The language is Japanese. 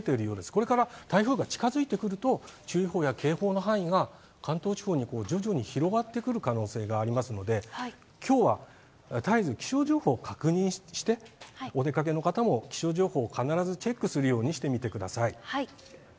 これから台風が近づいてくると、注意報や警報の範囲が、関東地方に徐々に広がってくる可能性がありますので、きょうは絶えず気象情報を確認して、お出かけの方も気象情報を必ずチェックするようにしてみてください。